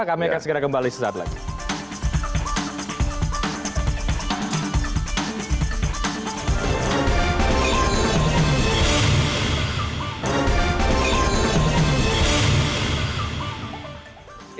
kami akan segera kembali sesaat lagi